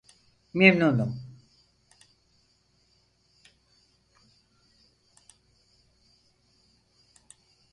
Memnunum!